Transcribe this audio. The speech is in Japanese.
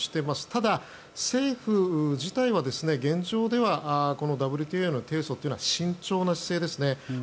ただ、政府自体は現状ではＷＴＯへの提訴というのは慎重な姿勢ですね。